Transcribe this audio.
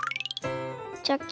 チョキ。